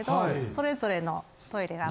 それぞれのトイレが。